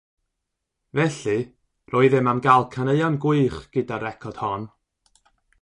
Felly, roeddem am gael caneuon gwych gyda'r record hon.